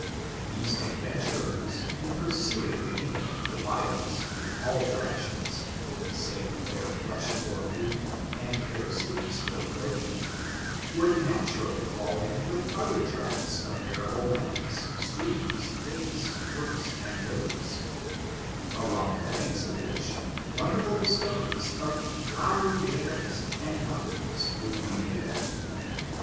These adventurers, in pursuing the game of the wilds, in all directions, for the sake of their flesh for food, and their skins for clothing, would naturally fall in with other tracts of arable lands, streams, lakes, brooks, and rivers ; along the banks of which, wonderful discoveries of flowry vales and mountains would be made.